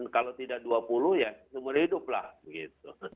kalau tidak dua puluh ya semen hiduplah gitu